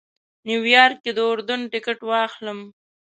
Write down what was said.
نیویارک کې د اردن ټکټ واخلم.